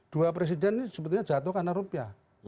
dua presiden ini sebetulnya jatuh karena rupiah